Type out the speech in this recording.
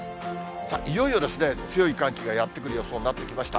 さあ、いよいよ強い寒気がやって来る予想になってきました。